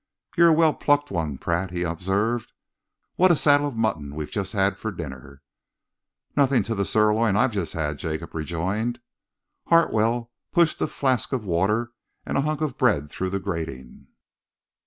"You're a well plucked 'un, Pratt," he observed. "What a saddle of mutton we've just had for dinner!" "Nothing to the sirloin I've just had," Jacob rejoined. Hartwell pushed a flask of water and a hunk of bread through the grating.